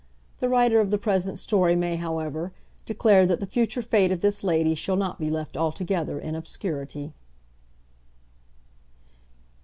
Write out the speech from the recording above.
The writer of the present story may, however, declare that the future fate of this lady shall not be left altogether in obscurity.